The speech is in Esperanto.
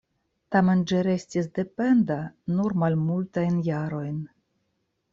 Tamen ĝi restis dependa nur malmultajn jarojn.